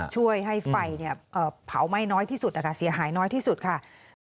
ช่วยให้ไฟเผาไหม้น้อยที่สุดเสียหายน้อยที่สุดค่ะ